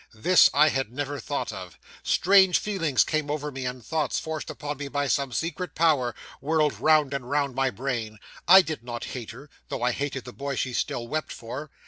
This I had never thought of. Strange feelings came over me, and thoughts, forced upon me by some secret power, whirled round and round my brain. I did not hate her, though I hated the boy she still wept for.